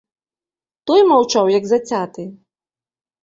Той маўчаў як зацяты.